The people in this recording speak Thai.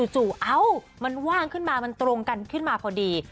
เอ้ามันว่างขึ้นมามันตรงกันขึ้นมาพอดี